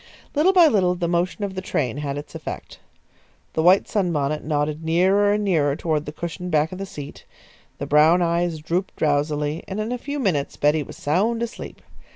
Little by little the motion of the train had its effect. The white sunbonnet nodded nearer and nearer toward the cushioned back of the seat; the brown eyes drooped drowsily, and in a few minutes Betty was sound asleep.